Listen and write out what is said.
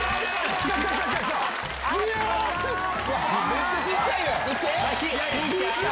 めっちゃ小っちゃいやん。